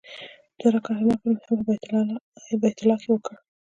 دوه رکعاته نفل مې هم په بیت الله کې وکړ.